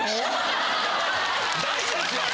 大事ですよ！